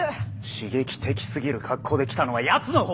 刺激的すぎる格好で来たのはやつのほうだ！